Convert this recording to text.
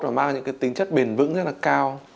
và mang những cái tính chất bền vững rất là cao